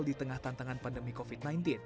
di tengah tantangan pandemi covid sembilan belas